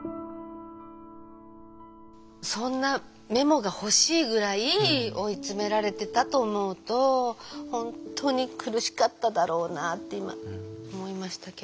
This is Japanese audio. そんなメモが欲しいぐらい追い詰められてたと思うと本当に苦しかっただろうなって今思いましたけど。